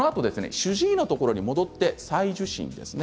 主治医のところに戻って再受診ですね。